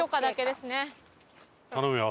頼むよ。